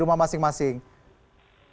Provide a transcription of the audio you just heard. semua keluarga itu